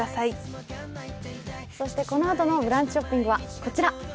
そしてこのあとのブランチショッピングはこちら。